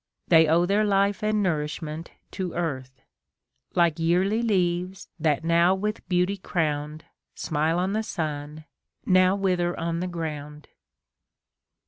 They owe their life and nourishment to earth ; Like yearly leaves, that now with beauty crown'd, Smile on the sun, now wither on tlie ground.